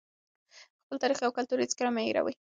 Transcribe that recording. خپل تاریخ او کلتور هېڅکله مه هېروئ.